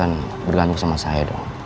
dan bella juga nggak mau bisa terus terusan